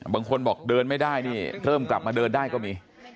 บางคนบอกเดินไม่ได้นี่เริ่มกลับมาเดินได้ก็มี